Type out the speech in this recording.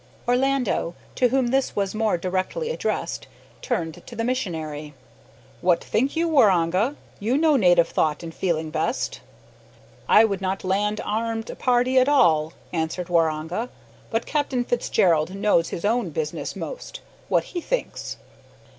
Orlando, to whom this was more directly addressed, turned to the missionary. "What think you, Waroonga? You know native thought and feeling best." "I would not land armed party at all," answered Waroonga. "But Cappin Fitzgald know his own business most. What he thinks?"